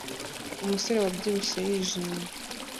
Umusore wabyibushye wijimye